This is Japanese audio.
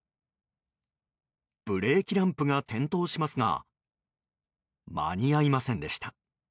ブレーキランプが点灯しますが間に合いませんでした。